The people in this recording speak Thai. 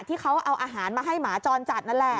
ที่เขาเอาอาหารมาให้หมาจรจัดนั่นแหละ